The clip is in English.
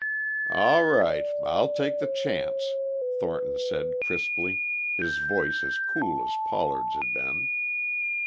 "All right. I'll take the chance," Thornton said crisply, his voice as cool as Pollard's had been.